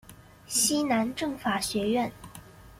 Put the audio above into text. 西南政法学院。